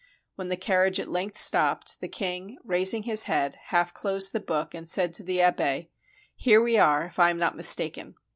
When the carriage at length stopped, the king, raising his head, half closed the book and said to the abbe: "Here we are, if I am not mistaken."